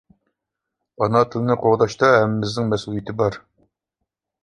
ئانا تىلنى قوغداشتا ھەممىمىزنىڭ مەسئۇلىيىتى بار.